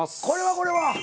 これはこれは。